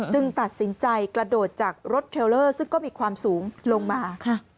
ตัดสินใจกระโดดจากรถเทลเลอร์ซึ่งก็มีความสูงลงมา